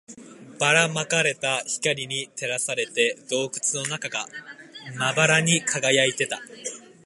ばら撒かれた光に照らされて、洞窟の中がまばらに輝いていた